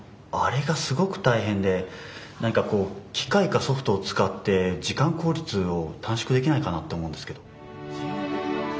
あれがすごく大変で何かこう機械かソフトを使って時間効率を短縮できないかなと思うんですけど。